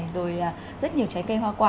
rồi rất nhiều trái cây hoa quả